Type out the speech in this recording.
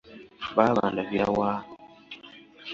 Baaba ndabira wa?